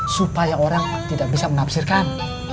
supaya orang tidak bisa menafsirkan